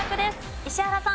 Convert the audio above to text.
石原さん。